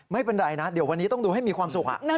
ไม่เป็นไรนะเดี๋ยววันนี้ต้องดูให้มีความสุข